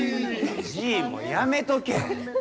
じいも、やめとけ。